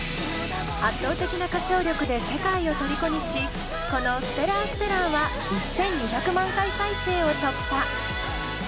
圧倒的な歌唱力で世界をとりこにしこの「ＳｔｅｌｌａｒＳｔｅｌｌａｒ」は１，２００万回再生を突破。